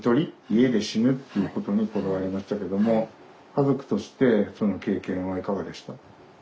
家で死ぬっていうことにこだわりましたけども家族としてその経験はいかがでした？